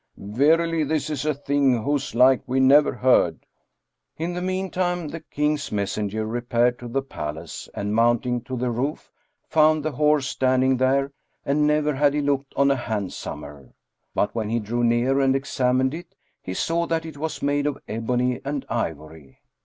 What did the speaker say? Verily this is a thing whose like we never heard." In the meantime the King's messenger repaired to the palace and mounting to the roof, found the horse standing there and never had he looked on a handsomer; but when he drew near and examined it, he saw that it was made of ebony and ivory.